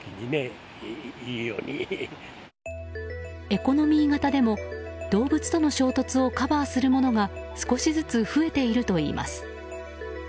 エコノミー型でも動物との衝突をカバーするものが少しずつ増えているといいます。